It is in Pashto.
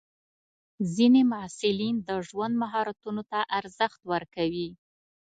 ځینې محصلین د ژوند مهارتونو ته ارزښت ورکوي.